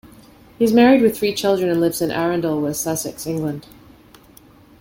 He is married with three children and lives in Arundel, West Sussex, England.